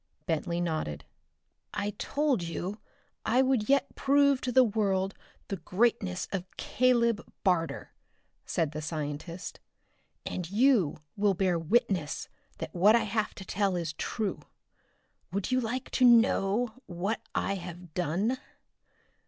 Bentley nodded. "I told you I would yet prove to the world the greatness of Caleb Barter," said the scientist. "And you will bear witness that what I have to tell is true. Would you like to know what I have done?"